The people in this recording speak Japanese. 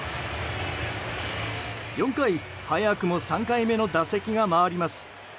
４回、早くも３回目の打席が回ります。